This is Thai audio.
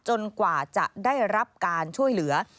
กว่าจะได้รับการช่วยเหลือ